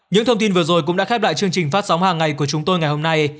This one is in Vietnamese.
những thông tin vừa rồi cũng đã khép lại chương trình phát sóng hàng ngày của chúng tôi ngày hôm nay